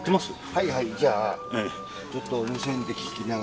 はいはいじゃあちょっと無線で聞きながら。